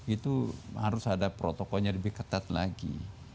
itu harus ada protokolnya lebih ketat lagi